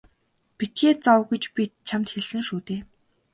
Битгий зов гэж би чамд хэлсэн шүү дээ.